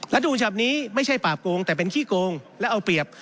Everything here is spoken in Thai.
ฉบับนี้ไม่ใช่ปราบโกงแต่เป็นขี้โกงและเอาเปรียบ